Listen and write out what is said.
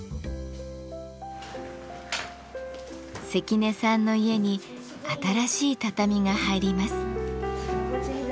関根さんの家に新しい畳が入ります。